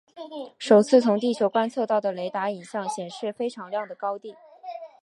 首次从地球观测到的雷达影像显示非常亮的高地。